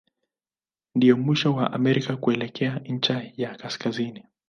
Ndio mwisho wa Amerika kuelekea ncha ya kaskazini.